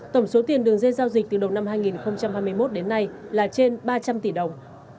tổng số tiền đường dây giao dịch từ đầu năm hai nghìn hai mươi một đến nay là trên ba trăm linh tỷ đồng